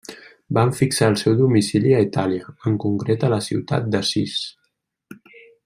Van fixar el seu domicili a Itàlia, en concret a la ciutat d'Assís.